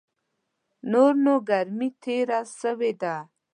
نور نو ګرمي تېره سوې ده .